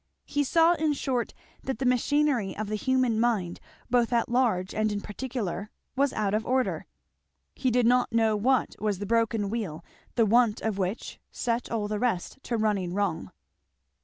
He saw in short that the machinery of the human mind, both at large and in particular, was out of order. He did not know what was the broken wheel the want of which set all the rest to running wrong.